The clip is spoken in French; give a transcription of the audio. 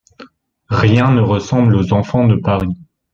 Rien ne ressemble aux enfants de Paris.